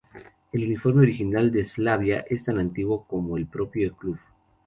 El uniforme original del Slavia es tan antiguo como el propio club.